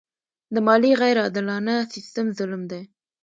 د مالیې غیر عادلانه سیستم ظلم دی.